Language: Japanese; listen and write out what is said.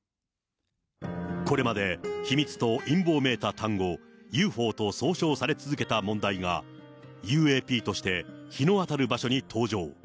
これまで秘密と陰謀めいた単語、ＵＦＯと総称され続けた問題が、ＵＡＰとして日の当たる場所に登場。